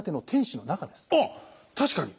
あっ確かに。